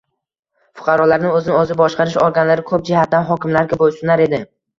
fuqarolarni o‘zini-o‘zi boshqarish organlari ko‘p jihatdan hokimlarga bo'ysunar edi.